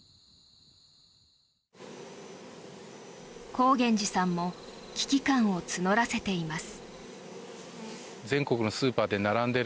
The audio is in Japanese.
光源寺さんも危機感を募らせています。